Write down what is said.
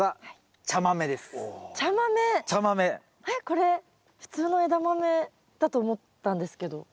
これ普通のエダマメだと思ったんですけど。